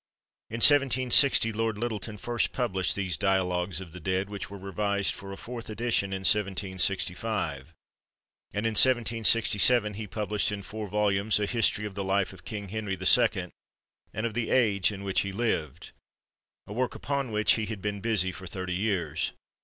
In 1760 Lord Lyttelton first published these "Dialogues of the Dead," which were revised for a fourth edition in 1765, and in 1767 he published in four volumes a "History of the Life of King Henry the Second and of the Age in which he Lived," a work upon which he had been busy for thirty years.